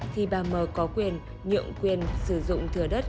thì bà m có quyền nhượng quyền sử dụng thừa đất